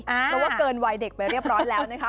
เพราะว่าเกินวัยเด็กไปเรียบร้อยแล้วนะคะ